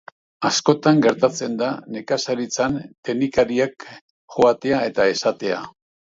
Askotan gertatzen da nekazaritzan teknikariak joatea eta esatea.